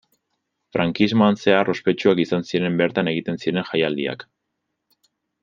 Frankismoan zehar ospetsuak izan ziren bertan egiten ziren jaialdiak.